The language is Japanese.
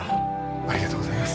ありがとうございます。